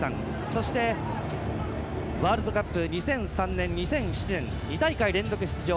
そして、ワールドカップ２００３年、２００７年２大会連続出場。